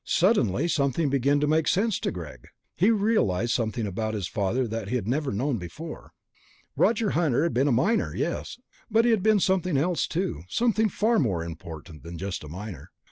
Suddenly something began to make sense to Greg; he realized something about his father that he had never known before. Roger Hunter had been a miner, yes. But he had been something else too, something far more important than just a miner.